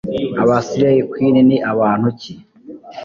Aba-Slay Queen ni bantu ki